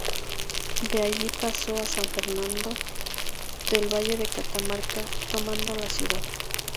De allí pasó a San Fernando del Valle de Catamarca, tomando la ciudad.